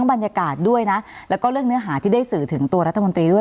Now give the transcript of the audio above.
บรรยากาศด้วยนะแล้วก็เรื่องเนื้อหาที่ได้สื่อถึงตัวรัฐมนตรีด้วย